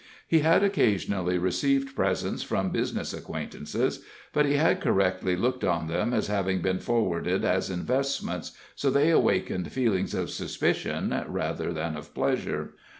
He had occasionally received presents from business acquaintances, but he had correctly looked at them as having been forwarded as investments, so they awakened feelings of suspicion rather than of pleasure.